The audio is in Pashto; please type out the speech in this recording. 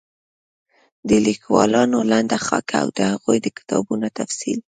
د ليکوالانو لنډه خاکه او د هغوی د کتابونو تفصيل